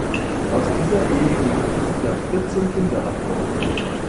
Aus dieser Ehe gingen insgesamt vierzehn Kinder hervor.